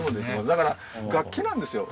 だから楽器なんですよ。